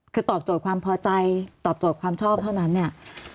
คือตอบโจทย์ความพอใจตอบโจทย์ความชอบเท่านั้นเนี่ย